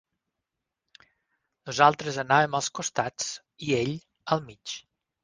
Nosaltres anàvem als costats, i ell, al mig.